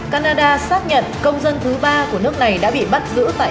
canada xác nhận công dân thứ ba của nước này đã bị bắt giữ tại trung quốc